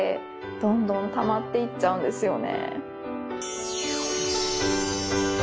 どんどんたまっていっちゃうんですよね。